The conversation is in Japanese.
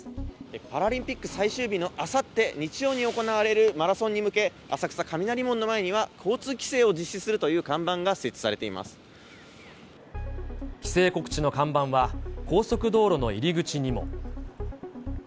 パラリンピック最終日のあさって日曜に行われるマラソンに向け、浅草・雷門の前には交通規制を実施するという看板が設置されてい規制告知の看板は、高速道路の入り口にも。